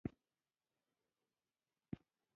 د پتنوس رنګ سوځېدلی و.